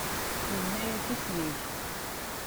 Inna-yas: Isem-ik?